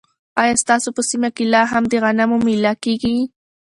ایا ستاسو په سیمه کې لا هم د غنمو مېله کیږي؟